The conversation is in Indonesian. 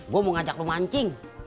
gue mau ngajak lu mancing